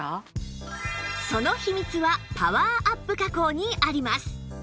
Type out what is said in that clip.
その秘密はパワーアップ加工にあります